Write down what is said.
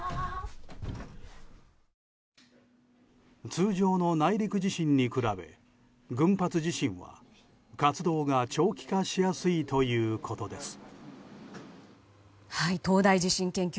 通常の内陸地震に比べ群発地震は活動が長期化しやすいということです。